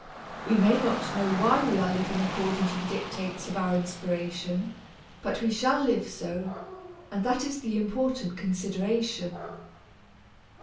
We may not know why we are living according to the dictates of our inspiration, but we shall live so and that is the important consideration.